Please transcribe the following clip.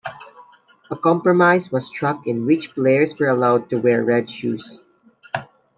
A compromise was struck in which players were allowed to wear red shoes.